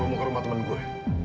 mau ke rumah temen gue